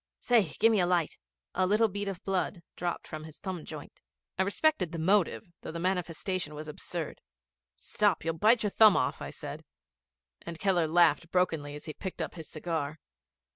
Say, gimme a light. A little bead of blood dropped from his thumb joint. I respected the motive, though the manifestation was absurd. 'Stop, you'll bite your thumb off,' I said, and Keller laughed brokenly as he picked up his cigar.